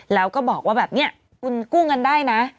แล้วก็บอกว่าแบบนี้คุณกู้เงินได้นะ